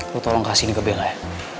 lo tolong kasih ini ke bella ya